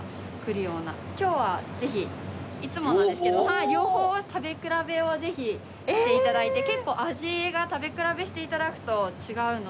今日はぜひいつもなんですけど両方食べ比べをぜひして頂いて結構味が食べ比べして頂くと違うので。